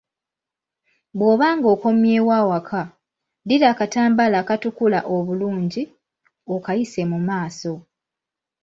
Bwobanga okomyewo awaka, ddira akatambala akatukula obulungi, okayise mu maaso.